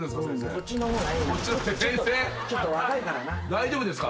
大丈夫ですか？